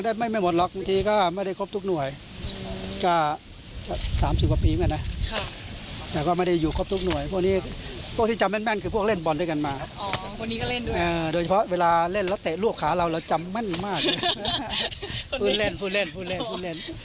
โดยเฉพาะเวลาเล่นแล้วเตะลวกขาเราเราจำมั่นมากเลยฟูเล่น